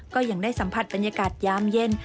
ก็ยังได้สัมผัสบรรยากาศยามเย็น